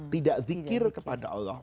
tidak zikir kepada allah